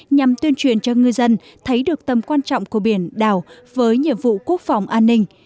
nhằm tuyên truyền cho ngư dân thấy được tầm quan trọng của biển đảo với nhiệm vụ quốc phòng an ninh